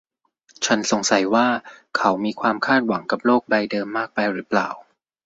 ฉันสงสัยว่าเขามีความคาดหวังกับโลกใบเดิมมากไปหรือเปล่า